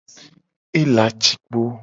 Ela ci kpo.